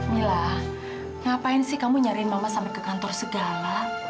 mila ngapain sih kamu nyari mama sampai ke kantor segala